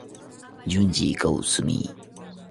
Junji Koizumi